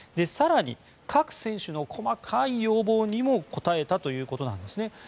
更に、各選手の細かい要望にも応えたということなんですね。